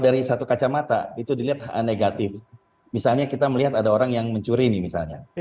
dari satu kacamata itu dilihat negatif misalnya kita melihat ada orang yang mencuri ini misalnya